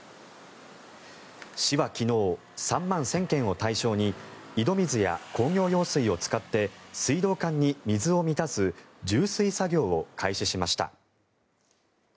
市は昨日３万１０００軒を対象に井戸水や工業用水を使って水道管に水を満たす充水作業を開始しました。